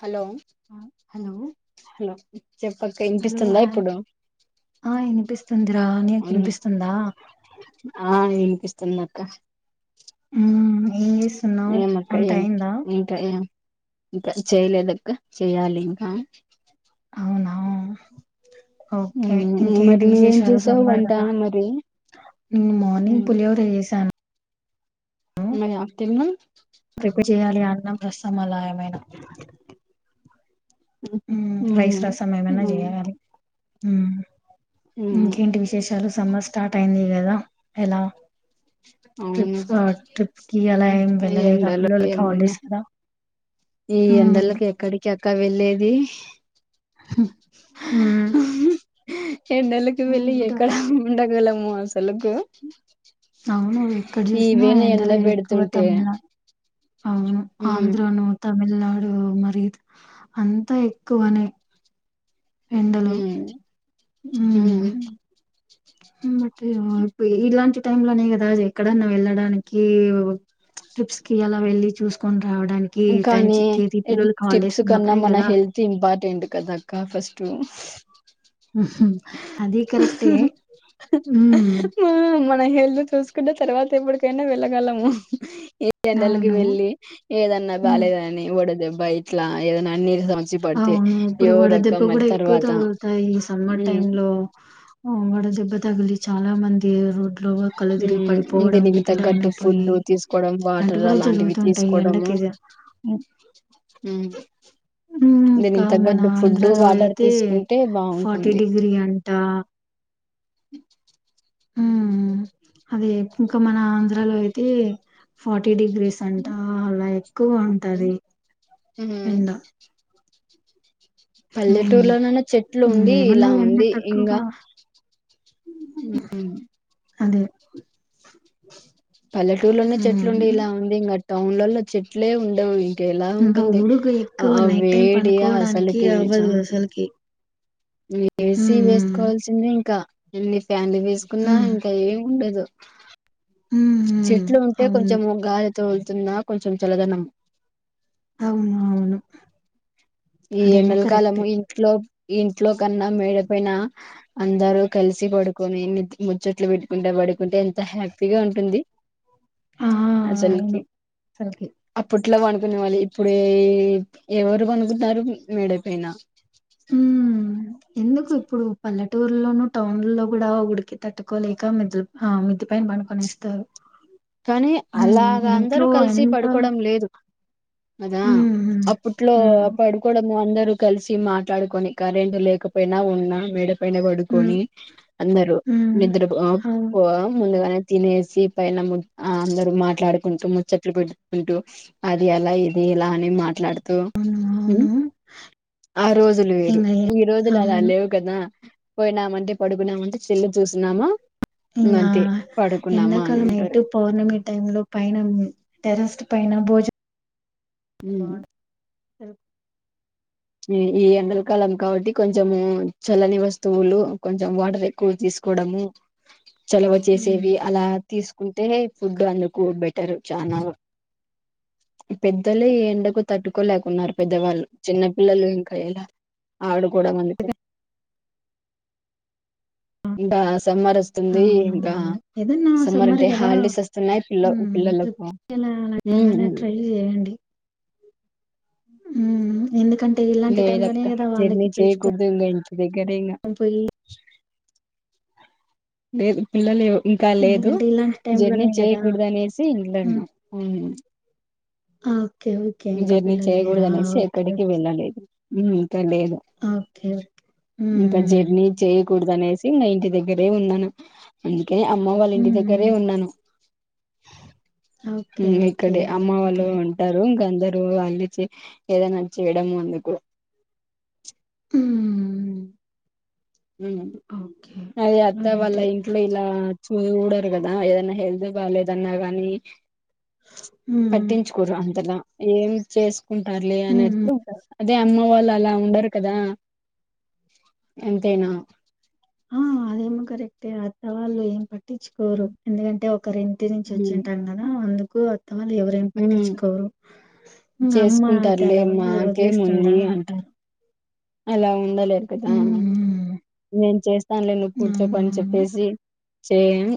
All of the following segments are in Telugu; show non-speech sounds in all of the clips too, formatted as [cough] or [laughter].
హలో ఆ హలో హలో చెప్పక్క హలో ఇన్పిస్తుందా హాయ్ ఇప్పుడు ఆ వినిపిస్తుందిరా నీకు వినిపిస్తుందా ఆ వినిపిస్తుంద [unintelligible] మ్ [unintelligible] ఇంకా చేయలేదక్క చెయ్యాలి ఇంకా అవునా ఓకే మరి ఇంకేంటి నువ్వేం విశేషాలు చేసావు సమ్మర్ వంట కదా మరి మ్ మార్నింగ్ పులిహోర చేసాను మరి ఆత్తమ్మ ప్రిపేర్ చేయాలి అన్నం రస్ మలా ఏమైనా రైసు రసం ఏమన్నా చేయాలి హ ఇంకేంటి విశేషాలు సమ్మర్ స్టార్ట్ అయింది ఎలా అవును ట్రిప్స్ ట్రిప్ కి అలా ఏం వెళ్ళలేదా ఎండలో పిల్లలకి ఏమున్నా హాలిడేస్ కదా ఇక్క వెళ్ళేది హ ఎండలకి ఆ, వెళ్ళ ఇప్పుడు ఎక్కడ ఉండగలం సలుకు అవు నువ్వు ఎక్కడ చూసినా ఎండ ఎండలే ఎక్కువ పెడుతుంటే తమిళనాడు అవును ఆంధ్రను తమిళనాడు మరి అంతా ఎక్కువనే ఎండలో ఉ ఉమ్ ఇలాంటి టై లోనే కదా ఎక్కడన్నా వెళ్ళడానికి ట్రిప్స్ కి అలా వెళ్ళి చూసుకో కానీ హాలిడేస్ టిప్స్ కన్నా ఉన్నప్పుడే మన కదా హెల్త్ ఇంపార్టెంట్ కదక్క ఫస్ట్ టు హ్మ్ అది కరెక్టే మ్మ్ మ హెళ్దు చూసుకుంటే తర్వాత ఎప్పుటికైనా వెళ్ళగలము ఈ ఎండలకు అవును వెళ్ళి ఏదన్నా మ్మ్ బాలేదనీ ఓ పోడదు బైట్లా ఏదన్న అవును ఇప్పుడు వడదెబ్బ మరి కూడా ఎక్కువ తర్వాత తగులుతాయి ఈ సమ్మర్ ఉమ్ టైమ్ లో మ్మ్ వడదెబ్బ తగిలి చాలా మంది రోడ్. రోవ కళ్ళు తిరిగి ఉమ్ పడిపోవడం బి దీనికి పి డౌన్ తగ్గట్టు ఫుడ్ అయిపోయి తీసుకోవడం అలాంటివి వాటర్ కూడా జరుగుతుంటాయి ఎండ తీసుకోవడము కే దేనింతగ్గడ్డు ఫుడ్డు వాటర్ తీసుకుంటే ఫార్టీ బాగుంటుంది డిగ్రీ అంట మ్మ్ అదే ఇంకా మన ఆంధ్రాలో అయితే ఫ ర్టీ డిగ్రీస్ అంటా అలా ఎక్కువ ఉంటది ఉమ్ ఎండ ఉమ్ పల్లెటూరులోనన్నా చెట్లు ఉండి ఏమన్నా ఇలా ఎండ ఉంది ఇంగా తక్కువగా అదే పల్లెటూరులోనే చెట్లు ఉమ్ ఉండేలా ఉంది ఇంగట్ టౌన్లలో చెట్లే ఉండవు ఎలా ఇంకా ఉంటుంది ఉడుకు ఎక్కువ ఆ నైట్ టైం వేడి పనుకోవడానికి అవ్వదు అసలకి వేసి వేసుకోవాల్సిందే ఇంకా ఎల్లిస్ ఫ్యాండీ వేసుకున్నా ఉమ్ ఇంకా ఏమి ఉండదు ఉమ్ ఉమ్ చెట్లు ఉంటే అవును కొంచెము గాలి తోలుతున్నా కొంచెం చల్లదనం అవును అవును ఈ అదేమో ఎన్నెల కరెక్ట్ కాలము ఇంట్లో ఇంట్లో కన్నా మేడపైన అందరు కలిసి పడుకొని నిత్ ముచ్చట్లు పెట్టుకుంటే పడుకుంటే త హ్యాపీగా ఉంటుంది ఆ అవును అసల్కి అసలుకి అప్పుడు ఇట్లా పనుకునేవళ్ళి ఇప్పుడే ఎవరు పనుకు నారు మేడపైన ఉ ఎందుకు ఇప్పుడు పల్లెటూరులోనూ టౌన్ లో కూడా ఉడికి తట్టుకోలేక మెద్ ల్ మెద్ది పైన బనుకొనేస్తారు కానీ అలాగ అందరూ కలిసి ఎంత పడుకోవడం లేదు అదా హ్మ్. హ్మ్. అప్పట్లో హ్మ్. పడుకోవడము అందరు రు కలిసి మాట్లాడుకొని కరెంట్ లేకపోయినా ఉన్నా మేడ పైన హ్మ్. పడుకొని అందరు హ్మ్. నిద్రపో అవును. పో ముందుగానే తినేసి పైన ము ఆ అందరు మాట్లాడుకుంటూ ముచ్చట్లు పెట్టుకుంటూ అది అలా ఇది ఇలా అని మాట్లాడుతూ అవును. మ్మ్ అవును. ఆ రోజులు వేరు ఇంగ ఎ ఈ రోజులు అలా అవును. లేవు కదా పోయినామంటే పడుకున్నామంటే సెల్లు చూసినామ ఇంగ ఎండాకాలం అంటారు నైటు పౌర్ణమి టైమ్ లో పైన మి టెరెస్ట్ పైన భోజ మ్మ్ తరు ఈ ఎండలకాలం కాబట్టి కొంచము చల్లని వస్తువులు కొంచెం వాటర్ ఎక్కువ తీసుకోవడము చలవ హ్మ్. చేసేవి అలా తీసుకుంటే ఫుడ్ అందుకు బెటర్ చానా పెద్దలే ఈ ఎండకు తట్టుకోలేకున్నారు పెద్దవాళ్ళు చిన్న పిల్లలు ఇంకా ఏడ ఆడ కూడా మందికి బాస్ సమ్మర్ వస్తుంది ఇంకా అవునవును. ఏదన్నా సమ్మర్ అంటే గదా! హాలిడేస్ వస్తున్నాయి పిల్ల హ్మ్. పిల్లలకు ట్రిప్‌కెళ్ళాలి అలా ఏమైనా మ్మ్ హుమ్ ఎందుకం లేదక్క జర్నీ చేయకూడదు ఇంగా ఇంటి దగ్గరేంగా లేదు పిల్లలు ఇంకా లేదు ఎందుకంటే ఇలాంటి జర్నీ టైంలోనే గదా! చేయకూడదు అనేసి హ్మ్. ఇంట్లోన్న హుమ్ ఆ ఓకే. ఓకే. ఇంకా జర్నీ పిల్లలు లేరా? చేయకూడదు అనేసి ఓకే. ఎక్కడికి వెళ్ళలేదు హుమ్ తెలీదు ఓకే. ఇంకా హ్మ్. జర్నీ చేయ్ కూడదు అనేసి ఇంక ఇంటి దగ్గరే ఉండను అదే అమ్మ వాళ్ళ ఇంటి హ్మ్. హ్మ్. దగ్గరే ఉన్నాను ఓకే. హుమ్ ఓకే. ఇక్కడే అమ్మ వాళ్ళు అలాగైతే ఉంటారు ఇంక అందరు అందిచి ఏదైనా చేయడము అందుకు హ్మ్. హుమ్ ఓకే. అది అత్త వాల్ల అలాగైతే ఇంట్లో ఇలా చూడరు గదా ఏదన్నా హెల్త్ బాలేదన్నా గానీ హ్మ్. పట్టించుకోరు అంతలా ఏం చేస్ కుంటారులే అనేసి హ్మ్. ఉంటారు అదే అమ్మ వాళ్ళు అలా ఉండరు కదా తెనా ఆ అదేమో కరెక్టే అత్త వాళ్ళు ఏం పట్టించుకోరు ఎందుకంటే ఒకరింటి నుంచి ఉమ్ వచ్చింటారు కదా అందుక్ ఒక వాళ్ళు ఎవరేం హ్మ్ పట్టించుకోరు ఇగ అమ్మ అయితే చేసుకుంటారులే అలా వదిలే మాకేముంది వదిలేస్తుందా అంటారు అలా ఉం డలేర్ కదా హ్మ్. హ్మ్. నేను చేస్తానులే నువ్వు కూర్చోపో అని అవునవును. చెప్పేసి చే అని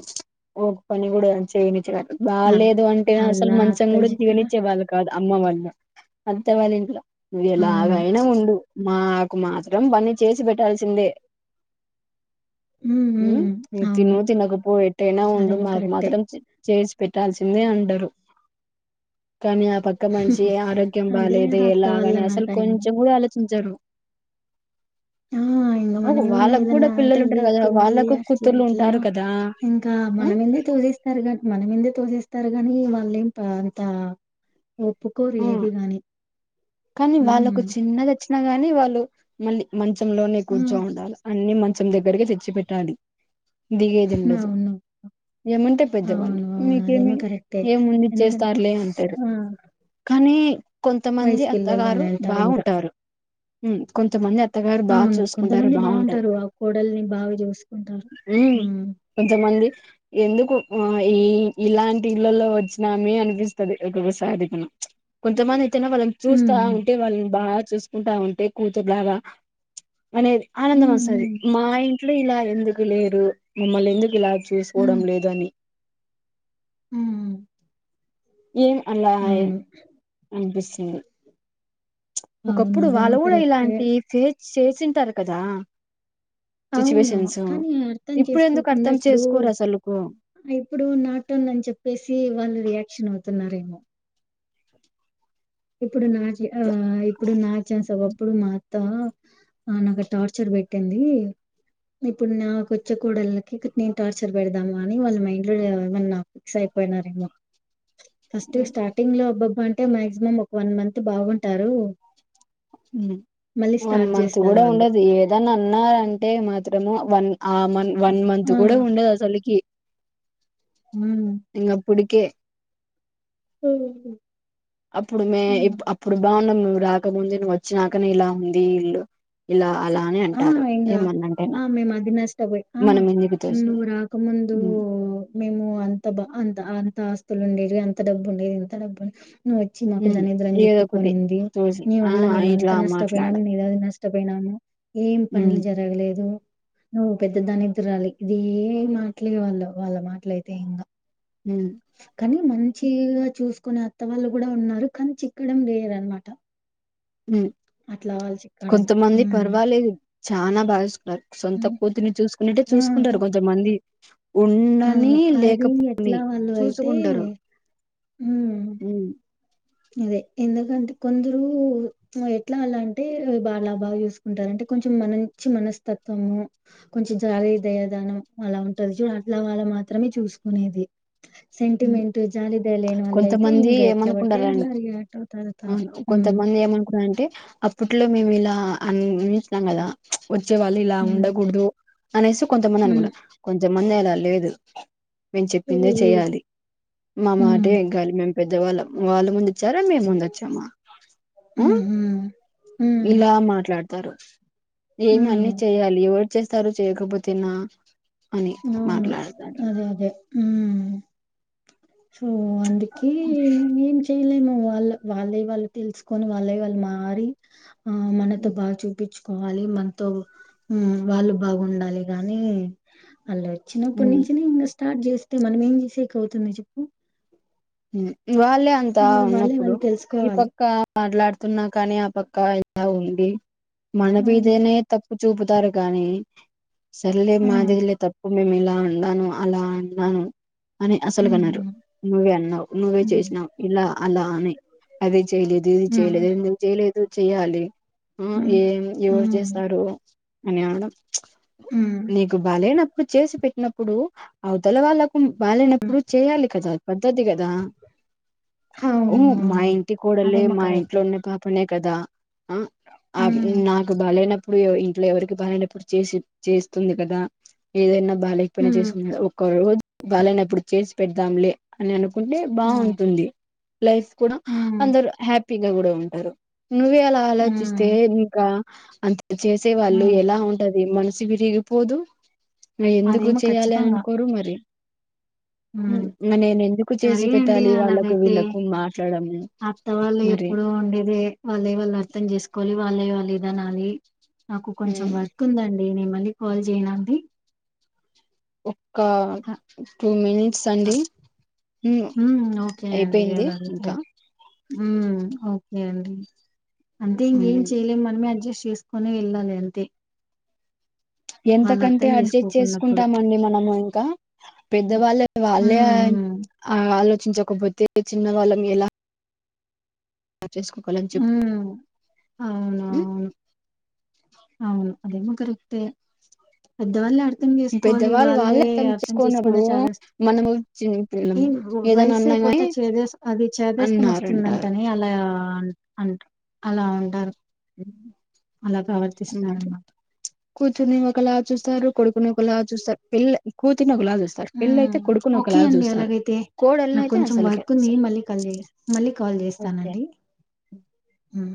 ఓ పని కూడ నన్ చేయ నిచద్ అల్ బాలేదు అంటేనా ఆళ్ళ అసలు మంచం అత్తల కూడా చిక్కన దిగనిచ్చే వాళ్ళు కాదు అమ్మ వాళ్ళు ప్చ్ అత్తవాళ్ళింట్లో నువ్ అవును. ఎలాగయినా ఉండు మాకు మాత్రం పని చేసి పెట్టాల్సిందే హ్మ్. హుమ్ హ్మ్. నువ్వు తిను అవును. తినకపో ఎట్టయిన ఉండు అదేమో మాకు కరెక్టే. మాత్రం చే చేసి పెట్టాల్సిందే అంటరు కానీ ఆ పక్క మనిషి ఆరోగ్యం అదే బాలేదే, గదా అత్త ఎలాగని అసలు వాళ్ళన్నాకయింగ. కొంచం కూడా అల్ చించరు ఆ ఇం మనం ఏమన్నా ఏదన్నా అంటే పిల్లలు ఉంటారు కదా వీక్ ఉంది. వాళ్ళకు అట్లా కూతుర్లు ఇట్లా ఉంటారు కదా ఇంకా ఆ మనమిందే తోసేస్తారు కాట్ మనమిందే తోసిస్ తరు కానీ వాళ్ళేం పా తా ఒప్పుకోరు ఆ ఏదిగాని కానీ వాళ్ళకు చిన్న వచ్చినా గానీ వాళ్ళు మళ్ళీ మంచ్ చంలోనే ఆ! కూర్చొండాలి అన్నీ మ చం దగ్గరకే చెచ్చి పెట్టాలి. దిగేది ఉండదు, అవును. ఏమంటే పెద్దవాళ్ళు అవును. అవును. మీకేమి అదేమో కరెక్టే. ఏముంది ఎందుకంటే ఇచ్చేస్తారులే అంటారు. ఆ! కానీ కొంతమంది వయసు పిల్లోల్లోనే వారు అంటారింక. బావుంటారు. హు కొంతమంది అత్తగారు బాగా అవును చూసుకుంటారు కొంతమంది బాగుంటారు బావుంటారు, ఆ కోడల్ని బాగా చూసుకుంటారు. ఉమ్ ఉ కొంతమంది ఎందుకు ఆ ఈ ఇలాంటి ఇళ్లలో వచ్చినామే అనిపిస్తది, ఒక్కోక్కసారి మన కొంచమన ఇచ్చిన వలన్ చూ తా హ్మ్. ఉంటే వాళ్ళని బా చూసుకుంటా ఉంటే కూతుర్లాగా అనేది ఆనందం హ్మ్. వస్సాది, హ్మ్. మా ఇ ట్లు ఇలా ఎందుకు లేరు, మమ్మల్ని ఎందుకిలా చేసుకోవడం లేదని హు ఏం అన్నాయ్ ఇనిపిస్సుంది. చ్ అవును. ఒకప్పుడు వాళ్ళ అదేమో కూడా కరెక్టే. ఇలాంటి ఫే చేసింటారు కదా అవును సిచ్యువేషన్స్ కానీ అర్థం ఇప్పుడు ఎందుకు చేసుకోకుండా అర్థం ఇప్పుడు, చేసుకోరు అసలుకు ఇప్పుడు నాటన్ అని చెప్పేసి వాళ్ళు రియాక్షన్ న్నారేమో ఇప్పుడు నాచి ఆ ఇప్పుడు నా చాన్స్ ఒకప్పుడు మా ఆ నాకు టార్చర్ పెట్టింది. ఇప్పుడు నాకు వచ్చే కోడల్ నికి నేను టార్చర్ పెడదాము. అని వాళ్ళ మైండ్ లోమ నా ఫిక్స్ అయిపోయినారేమో ఫస్ట్ స్టాటింగ్ లో అబ్బా అంటే మ్యాగ్జిమం వన్ మంత్ బాగుంటారు మళ్ళీ వన్ స్టార్ట్ మంత్ చేస్తారు కూడా వాళ్ళు. ఉండదు ఏదనా అన్న అంటే మాత్రము వన్ ఆ మన్ వన్ మంత్ ఆ! కూడా ఉండదు అసలుకి ఉమ్ ఇంగా అప్పుడికే హుమ్ అప్పుడుమే అప్పుడు బాం నువ్వు రాకముందే నువ్వు వచ్చినాకనే ఇలా ఉంది ఇల్లు ఇలా అలా అని ఆ అంటారు ఇంగా ఏమన్నంటేనా ఆ మేము అదినష్ట పోయి ఆ మనం ఎందుకు తోసిన నూ రాక ముందు మేము అంత బాగా అంత అంత ఆస్తి అంత ఉండేవి అంత డబ్బుండేది ఇంత డబ్బున్న నువ్వు వచ్చి మాకు దరిద్రం ఏదో ఒకటి చుట్టుకొనింది తోసి నీ ఆ వల్ల మేమంత ఇట్లా మాట్లాడ నష్టపోయినాం న ఏద నష్ట తప్పైనాము ఏం పనులు జరగలేదు నువ్వు పెద్ద దాన్నిదురాలి ఇది మాటలే వాళ్ళు వాళ్ళ మాటలు ఇంగా అ కానీ మంచిగా చూసుకుని అత్త వాళ్ళు కూడా ఉన్నారు కానీ చిక్కడం లేదు అనమాట కొంతమంది ఉమ్ పర్వాలేదు చానా బా సొంత కూతుర్ని చూసుకునట్టే ఆ! చూసుకుంటారు కొంచెమంది ఉండని అవును. అది లేకపోని ఎట్లా వాళ్ళు అయితే చూసుకుంటారు హ్మ్. అదే ఎందుకంటే కొందరు ఎట్లా అలా అంటే బా బాగా చూసుకుంటారు అంటే కొంచెం మంచి మనస్తత్వము కొంచెం జాగ దయదానం అలా ఉంటంది చూ అట్లా వాళ్ళ మాత్రమే చూసుకునేది సెంటిమెంట్ జాలి దయళేను అలా అయితే కొంతమంది ఇంకా అట్లా ఏమనుకుంటారంటే రియాక్ట్ అవుతారు. అవును హ్మ్. కొంతమంది ఏమనుకున్నంటే అప్పట్లో మేము ఇలా అన్ని టీ కన్నదా వచ్చే వాళ్ళు ఇలా హ్మ్. ఉండకూడదు అనేసి కొంతమంది హ్మ్. అనుకున్నారు కొంతమంది అలా లేదు మేము హ్మ్. చెప్పిందే చెయ్యాలి హ్మ్. మమాంటే గ మ పెద్దవాళ్ళ వాళ్ళ ముందు జ్వరం మేముందొచ్చామ్మా ఆ హ్మ్. హ్మ్. హ్మ్. ఇలా మాట్లాడత త్తరు ఏమి అన్ని హ్మ్. చేయాలీ వ చ్చేస్తారు చేయకపోతేనా అని అవును మాట్లాడతారు అదే అదే హు సో అందుకే ఏం చెయలేను వాళ్ళ వాళ్ళై వాళ్ళు తెలుసుకొని వాళ్ళై వాళ్ళు మారి ఆ మనతో హ్మ్. బాగా చూపించు కోవాలి మనతో ఉమ్ వాళ్ళు బాగుండాలి గానీ అళ్ళు వోచ్చినప్పటి హ్మ్. నుంచి నిన్ను స్ స్టార్ట్ చేస్తే మనం ఏం చేసేకి అవుతుంది చెప్పు హ్ ఇ వాళ్ళే ఆ, అంతా వాళ్ళే ఉన్నప్పుడు వాళ్ళు ఈ తెలుసుకోవాలి పక్క మాట్లాడుతున్నా కానీ ఆ పక్క ఇట్ల ఉంది మన మ్ మిదనే తప్పు చూపుతారు కానీ సర్లే మాది మ్ గాలే తప్పు మేము ఇలా ఉన్నను అలా అన్నాను అని అసలు గాన్నారు మ్ నువ్వే అన్నావు నువ్వే మ్ చేసినావ్ ఇలా అలా అని ఆది చెయ్యలేదు ఇది చెయ్యలేదు ఎందుకు చెయ్యలేదు. ఏదో చేయాలి ఆ మ్ ఏం ఎవరు మ్ చేస్తారు అని అనడం మ్ నీగు బాలేనాప్పు చేసి పెట్టినప్పుడు అవతల వాళ్ళకు బలెనప్పుడు చెయ్యాలి కదా పద్ధతిగా గా ఓ అవును మా అవును ఇంటి కూడలే అదేమో మా ఇంట్లో కరెక్టే ఉన్న పాపనే కదా ఆ ఆ మ్ నాకు బలేనప్ ప్పుడు ఇంట్లో ఎవరికి బలేనప్పుడు చేసి చేస్తుంది కదా ఏదైనా మ్ బాగాకపోయినా చేసుకు ఒక రోజు బలేనప్పుడు చేసి పెడ్తం లే అని అను కుండే మ్ బావుంటుంది లైఫ్ కూడా మ్ అందరు హ్యాపీ పిగా కూడా ఉంటారు నువ్వే అలా ఆలోచిస్తే మ్ ఇంకా అంతే చేసే వాళ్ళు మ్ ఎలా ఉంటరు అ మనసుి విరిగి పోదు నా ఎందుకు అదేమో చెయ్యాలి ఖచ్చితంగా అనుకోరు మరి హ్మ్ మన ఎందు సరే అండి అలాగైతే మాట్లాడము అత్త వాళ్ళు ఎప్పుడు మరి ఉండేదే వాళ్ళే వాళ్ళు అర్థం చేసుకోవాలి వాళ్ళే వాళ్దానా నాకు కొంచెం వర్క్ ఉందండి నే మళ్ళ కాల్ చేయడండి ఓ ఒక టూ మినిట్స్ అ అండి హ్మ్. అయిపోయింది ఇంకా ఉ ఓకే అండి అంటే ఇంకేం ఉమ్ చేయలేం మనమే అడ్జస్ట్ చేసుకుొని వెళ్ళాలి అంతే వాళ్ళు ఎంతకంటే అర్థం అడ్జస్ట్ చేసుకోకున్నప్పుడు. చేసుకుంటామండి మనము ఇంకా హ్మ్. పెద్దవాళ్ళ వాళ్ళే హ్మ్. ఆ ఆలోచ రక్షించకపోతే చిన్న వాళ్ళం ఎలా చేసుకోలని చె హ్మ్. అవునవును. అవును అదే మా కరక్ట పెద్దవాళ్ళే అర్థం చేసుకోవాలి వాళ్ళే అర్థం చేసుకునే చాలా మనము చిన్న పిల్లము ఏదైనా అన్నా వయసైపోతే గాని చేదే అది చేదేస్తం అన్నారంటారు వస్తుందంటనే అలా అంటారు అలా ఉంటారు ఉమ్, అలాక అవ మరి విస్త కూతుర్ని ఒక లా చూస్తారు కొడుకుని ఒక లా చూస్తారు పెళ్ళే కూతుర్ని ఒకలాగా చూస్తారు పెళ్ల ఉమ్, అయితే కొడుకుని ఓకే ఒకలాగా అండి చూస్తారు అలాగైతే కోడల్ ని నాకు అయితే కొంచెం అసలుకే వర్క్ ఉంది అసలు మళ్ళీ కాల్ చే మళ్ళీ కాల్ ఒకే చేస్తానండి ఉమ్